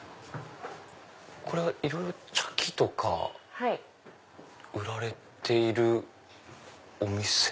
いろいろ茶器とか売られているお店ですか？